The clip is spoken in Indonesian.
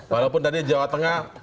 walaupun tadi jawa tengah